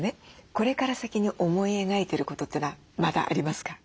これから先に思い描いてることというのはまだありますか？